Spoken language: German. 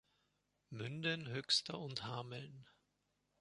Münden, Höxter und Hameln.